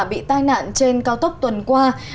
bị tai nạn trên cao tốc tuần qua